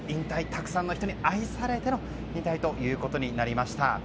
たくさんの人に愛されての引退となりました。